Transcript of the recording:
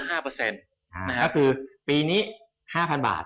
ถ้าซื้อปีนี้๕๐๐๐บาท